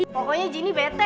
pokoknya zini bete